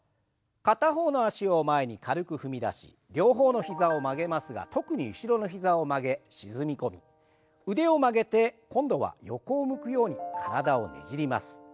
片方の脚を前に軽く踏み出し両方の膝を曲げますが特に後ろの膝を曲げ沈み込み腕を曲げて今度は横を向くように体をねじります。